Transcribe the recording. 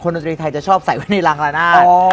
คนโดยในไทยจะชอบใส่ไว้ในรังลานาศ